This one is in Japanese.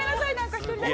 １人だけ。